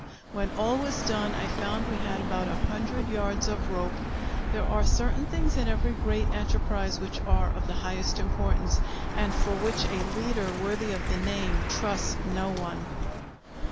When all was done I found we had about a hundred yards of rope. There are certain things in every great enterprise which are of the highest importance, and for which a leader worthy of the name trusts no one.